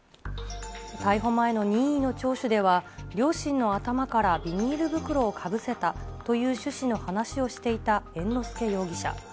逮捕前の任意の聴取では、両親の頭からビニール袋をかぶせたという趣旨の話をしていた猿之助容疑者。